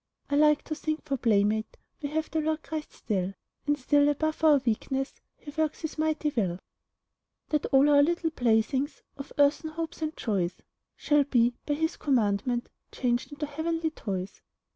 I like to think, for playmate We have the Lord Christ still, And that still above our weakness He works His mighty will, That all our little playthings Of earthen hopes and joys Shall be, by His commandment, Changed into heavenly toys.